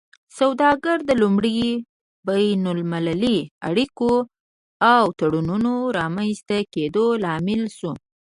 سوداګري د لومړي بین المللي اړیکو او تړونونو رامینځته کیدو لامل شوه